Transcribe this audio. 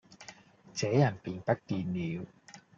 這人便不見了。